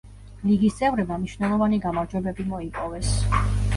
ლიგის წევრებმა მნიშვნელოვანი გამარჯვებები მოიპოვეს.